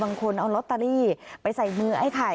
บางคนเอาลอตเตอรี่ไปใส่มือไอ้ไข่